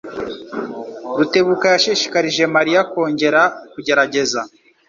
Rutebuka yashishikarije Mariya kongera kugerageza.